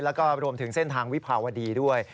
แล้วก็รวมถึงเส้นทางวิภาวดีด้วย